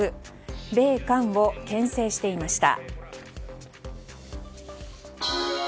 米韓を牽制していました。